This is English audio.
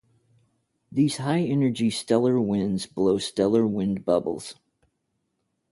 These high-energy stellar winds blow stellar wind bubbles.